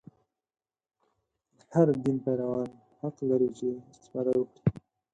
د هر دین پیروان حق لري چې استفاده وکړي.